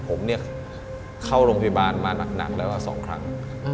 ผมเนี่ยเข้าโรงพยาบาลมาหนักแล้ว๒ครั้ง